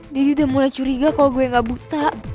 daddy udah mulai curiga kalau gue gak buta